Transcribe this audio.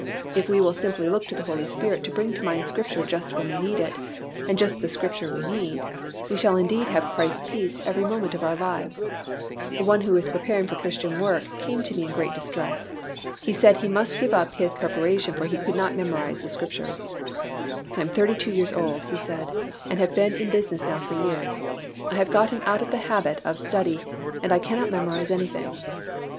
If we will simply look to the Holy Spirit to bring to mind Scripture just when we need it, and just the Scripture we need, we shall indeed have Christ's peace every moment of our lives. One who was preparing for Christian work came to me in great distress. He said he must give up his preparation for he could not memorize the Scriptures. "I am thirty two years old," he said, "and have been in business now for years. I have gotten out of the habit of study and I cannot memorize anything."